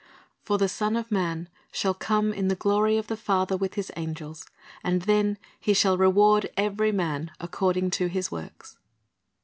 "For the Son of Man shall come in the glory of the Father with His angels, and then He shall reward every man according to his works."